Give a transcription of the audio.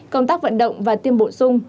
công tác vận động và tiêm bổ sung